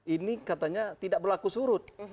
ini katanya tidak berlaku surut